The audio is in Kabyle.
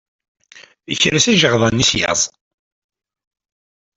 Ikres ijeɣdan-is laẓ.